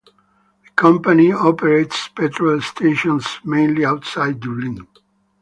The company operates petrol stations mainly outside Dublin.